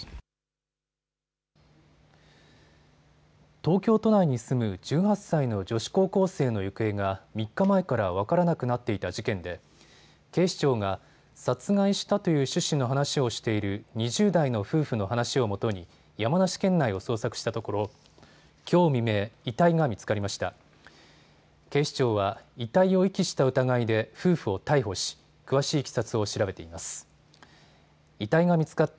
東京都内に住む１８歳の女子高校生の行方が３日前から分からなくなっていた事件で警視庁が殺害したという趣旨の話をしている２０代の夫婦の話をもとに山梨県内を捜索したところきょう未明、遺体が見つかりました。